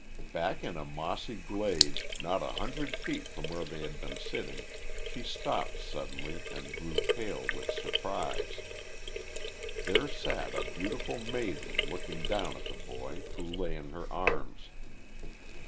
Back in a mossy glade, not a hundred feet from where they had been sitting, she stopped suddenly and grew pale with surprise. There sat a beautiful maiden looking down at the boy, who lay in her arms.